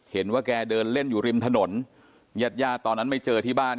เห็นว่าแกเดินเล่นอยู่ริมถนนญาติญาติตอนนั้นไม่เจอที่บ้าน